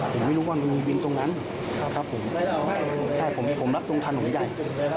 ผมไม่รู้ว่ามันมีวินตรงนั้นครับผมใช่ผมผมรับตรงคันหัวใหญ่